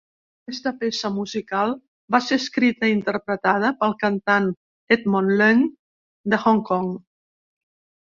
Aquesta peça musical va ser escrita i interpretada pel cantant Edmond Leung de Hong Kong.